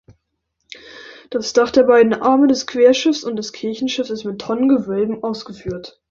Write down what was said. Das Dach der beiden Arme des Querschiffs und des Kirchenschiffs ist mit Tonnengewölben ausgeführt.